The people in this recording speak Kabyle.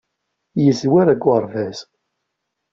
Yeẓwer deg uɣerbaz.